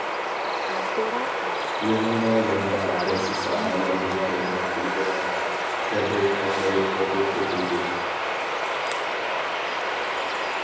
يىغىندا يەنە ھەرقايسى ساھەلەردىن كەلگەن تېلېگرامما، تەبرىك خەتلىرى ئوقۇپ ئۆتۈلدى.